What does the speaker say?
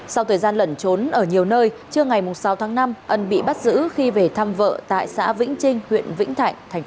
sau thời gian lẩn trốn ở nhiều nơi chưa ngày sáu tháng năm ấn bị bắt giữ khi về thăm vợ tại xã vĩnh trinh huyện vĩnh thạnh tp cần thơ